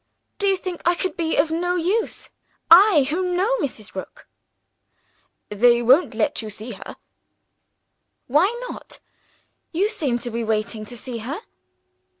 Do you think I can be of no use I who know Mrs. Rook?" "They won't let you see her." "Why not? You seem to be waiting to see her."